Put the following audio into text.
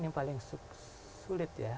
yang paling sulit ya